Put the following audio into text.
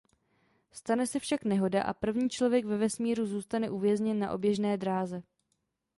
Stane se však nehoda a první člověk ve vesmíru zůstane uvězněn na oběžné dráze.